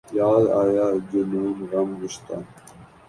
یاد آیا جنون گم گشتہ